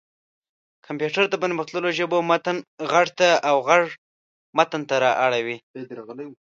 کمپيوټر د پرمختلليو ژبو متن غږ ته او غږ متن ته اړولی شي.